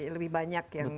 lebih banyak yang